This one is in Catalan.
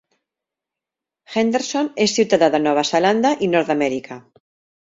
Henderson és ciutadà de Nova Zelanda i Nord-Amèrica.